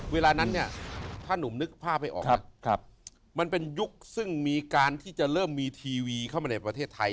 เวลานั้นเนี่ยถ้านุ่มนึกภาพให้ออกนะมันเป็นยุคซึ่งมีการที่จะเริ่มมีทีวีเข้ามาในประเทศไทย